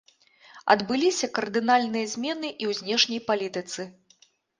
Адбыліся кардынальныя змены і ў знешняй палітыцы.